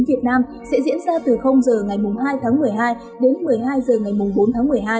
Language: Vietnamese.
việt nam sẽ diễn ra từ h ngày hai tháng một mươi hai đến một mươi hai h ngày bốn tháng một mươi hai